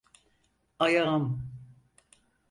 Ayağım!